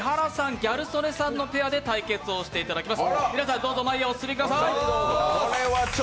ギャル曽根さんのペアで対決していただきます。